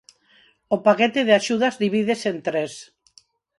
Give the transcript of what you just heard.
O paquete de axudas divídese en tres.